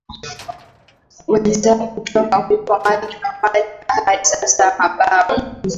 wenzao kutoka huko mali na hadi sasa mabao